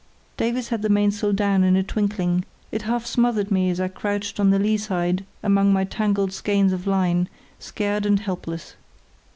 Davies had the mainsail down in a twinkling; it half smothered me as I crouched on the lee side among my tangled skeins of line, scared and helpless.